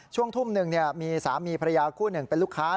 ช่วงทุ่มหนึ่งมีสามีภรรยาคู่หนึ่งเป็นลูกค้า